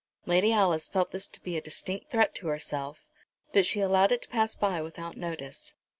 Lady Alice felt this to be a distinct threat to herself, but she allowed it to pass by without notice.